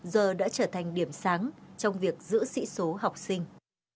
giờ đã trở thành điểm sáng trong việc giữ sĩ số học sinh